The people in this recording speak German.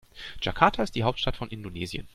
Jakarta ist die Hauptstadt von Indonesien.